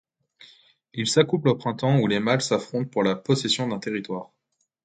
Il s'accouple au printemps où les mâles s'affrontent pour la possession d'un territoire.